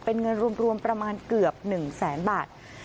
เป็นเงินรวมประมาณเกือบ๑แสนบาท